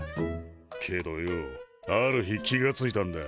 けどよある日気が付いたんだ。